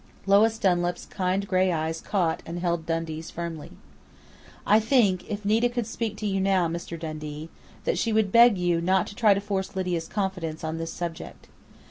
Lois Dunlap's kind grey eyes caught and held Dundee's firmly. "I think, if Nita could speak to you now, Mr. Dundee, that she would beg you not to try to force Lydia's confidence on this subject.